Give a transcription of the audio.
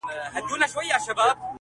په واړه کور کي له ورور سره دښمن یو -